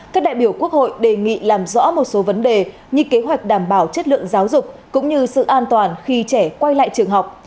các đại biểu quốc hội đề nghị làm rõ một số vấn đề như kế hoạch đảm bảo chất lượng giáo dục cũng như sự an toàn khi trẻ quay lại trường học